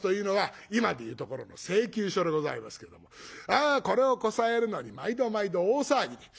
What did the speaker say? あこれをこさえるのに毎度毎度大騒ぎ。